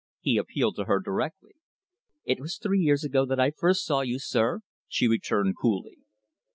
he appealed to her directly. "It was three years ago that I first saw you, sir," she returned coolly.